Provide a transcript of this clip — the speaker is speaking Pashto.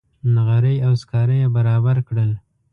نغرۍ او سکاره یې برابر کړل.